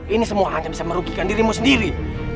ini semua hanya bisa merugikan dirimu sendiri